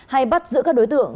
hay bắt giữ các đối tượng